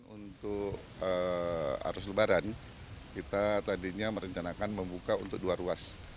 untuk arus lebaran kita tadinya merencanakan membuka untuk dua ruas